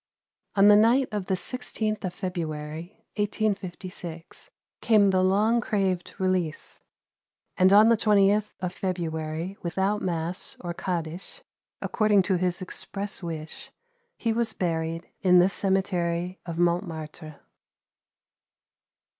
On the night of the 16th of February, 1856, came the long craved release and on the 20th of February without mass or "Kaddish," according to his express wish, he was buried in the cemetery of Montmartre.